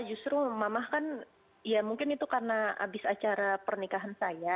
justru mamah kan ya mungkin itu karena abis acara pernikahan saya